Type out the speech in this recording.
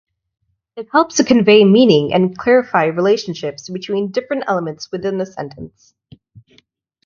It helps to convey meaning and clarify relationships between different elements within a sentence.